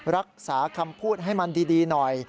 รักษาคำพูดให้มันดีหน่อย